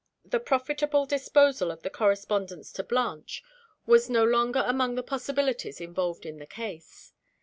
The profitable disposal of the correspondence to Blanche was no longer among the possibilities involved in the case.